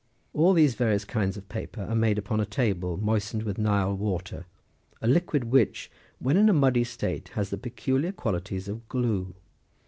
18 All these various kinds of paper are made upon a table, moistened with Nile water ; a liquid which, when in a muddy state, has the peculiar qualities of glue.